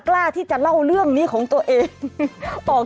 กล้าที่จะเล่าเรื่องนี้ของตัวเองออก